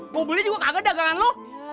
gue beli juga kaget dagangan lu